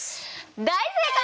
大正解！